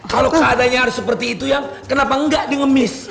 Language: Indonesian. lah kalo keadaannya harus seperti itu yam kenapa nggak di ngemis